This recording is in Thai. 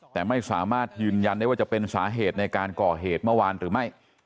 แต่ไม่สามารถยืนยันได้ว่าจะเป็นสาเหตุในการก่อเหตุเมื่อวานหรือไม่